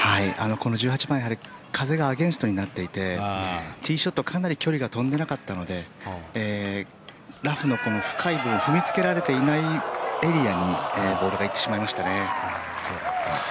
この１８番風がアゲンストになっていてティーショット、かなり距離が飛んでいなかったのでラフの深い部分踏みつけられていないエリアにボールが行ってしまいましたね。